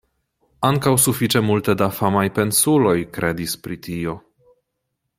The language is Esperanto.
Ankaŭ sufiĉe multe da famaj pensuloj kredis pri tio.